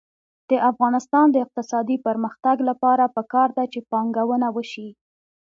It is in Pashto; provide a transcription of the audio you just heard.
د افغانستان د اقتصادي پرمختګ لپاره پکار ده چې پانګونه وشي.